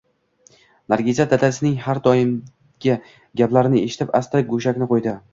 Nargiza dadasining har doimgi gaplarini eshitib, asta go`shakni qo`ydi